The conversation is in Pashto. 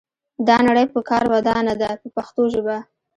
دا نړۍ په کار ودانه ده په پښتو ژبه.